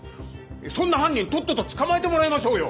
そんな犯人とっとと捕まえてもらいましょうよ！